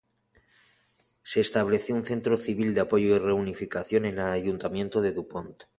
Se estableció un centro civil de apoyo y reunificación en el Ayuntamiento de DuPont.